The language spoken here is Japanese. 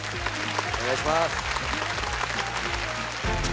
お願いします